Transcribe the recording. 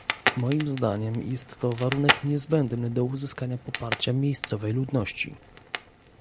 Moim zdaniem jest to warunek niezbędny do uzyskania poparcia miejscowej ludności